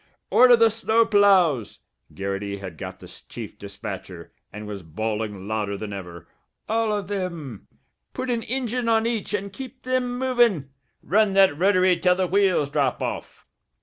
"Order the snow ploughs!" Garrity had got the chief dispatcher, and was bawling louder than ever. "All of thim! Put an injine on each and keep thim movin'! Run that rotary till the wheels drop off!"